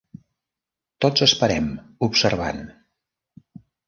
Tots esperem, observant.